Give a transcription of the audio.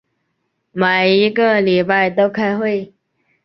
每一个礼拜都开会。